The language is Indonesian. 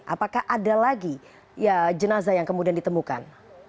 apakah ada lagi jenazah yang kemudian ditemukan